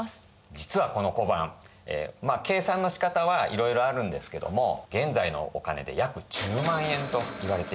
実はこの小判まあ計算のしかたはいろいろあるんですけども現在のお金で約１０万円といわれています。